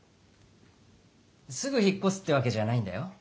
すぐ引っこすってわけじゃないんだよ。